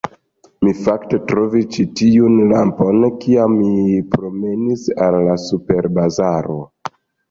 Mi, fakte, trovis ĉi tiun lampon kiam mi promenis al la superbazaro